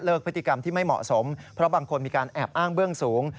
พฤติกรรมที่ไม่เหมาะสมเพราะบางคนมีการแอบอ้างเบื้องสูง